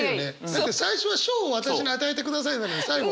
だって最初は「賞を私に与えてください」なのに最後